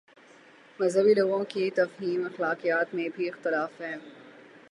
مذہبی لوگوں کی تفہیم اخلاقیات میں بھی اختلاف ہے۔